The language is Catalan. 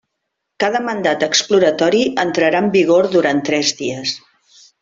Cada mandat exploratori entrarà en vigor durant tres dies.